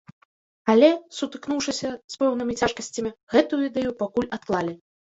Але, сутыкнуўшыся з пэўнымі цяжкасцямі, гэтую ідэю пакуль адклалі.